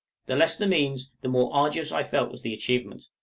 The less the means, the more arduous I felt was the achievement.